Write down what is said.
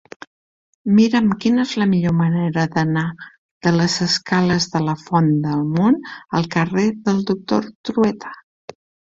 Mira'm quina és la millor manera d'anar de les escales de la Font del Mont al carrer del Doctor Trueta.